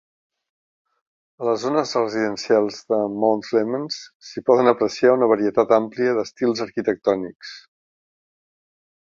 A les zones residencials de Mount Clemens s'hi poden apreciar una varietat àmplia d'estils arquitectònics.